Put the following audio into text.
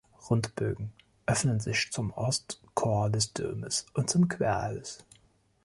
Rundbögen öffnen sich zum Ostchor des Domes und zum Querhaus.